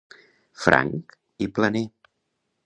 Franc i planer.